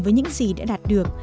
với những gì đã đạt được